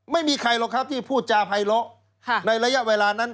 ไม่มีใครหรอกครับที่พูดจาภัยเลาะในระยะเวลานั้น